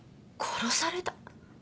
殺された？